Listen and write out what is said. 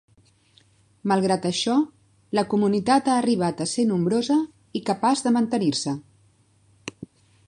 Malgrat això, la comunitat ha arribat a ser nombrosa i capaç de mantenir-se.